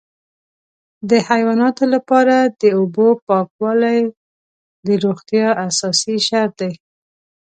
د حیواناتو لپاره د اوبو پاکوالی د روغتیا اساسي شرط دی.